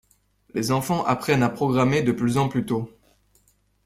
Les enfants apprennent à programmer de plus en plus tôt.